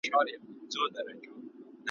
پاس به د اسمان پر لمن وګرځو عنقا به سو `